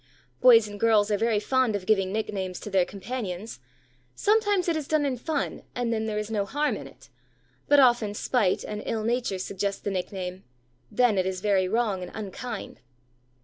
Boys and girls are very fond of giving nicknames to their companions; sometimes it is done in fun, and then there is no harm in it, but often spite and ill nature suggest the nickname, then it is very wrong and very unkind.